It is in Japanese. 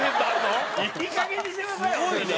いいかげんにしてください本当に。